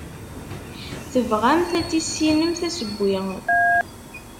Tebɣamt ad tissinemt asewwi.